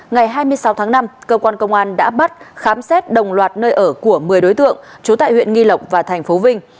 ngày hai mươi sáu tháng năm cơ quan công an đã bắt khám xét đồng loạt nơi ở của một mươi đối tượng trú tại huyện nghi lộc và thành phố vinh